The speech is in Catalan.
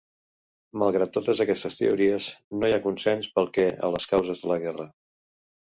Malgrat totes aquestes teories, no hi ha consens pel que a les causes de la guerra.